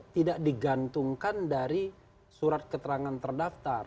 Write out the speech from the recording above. tidak digantungkan dari surat keterangan terdaftar